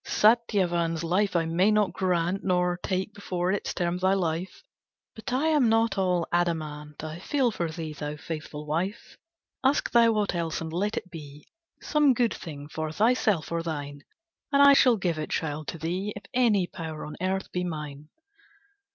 Satyavan's life I may not grant, Nor take before its term thy life, But I am not all adamant, I feel for thee, thou faithful wife! Ask thou aught else, and let it be Some good thing for thyself or thine, And I shall give it, child, to thee, If any power on earth be mine."